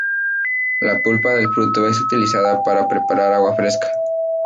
La pulpa del fruto es utilizada para preparar agua fresca.